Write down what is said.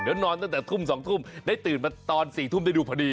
เดี๋ยวนอนตั้งแต่ทุ่ม๒ทุ่มได้ตื่นมาตอน๔ทุ่มได้ดูพอดี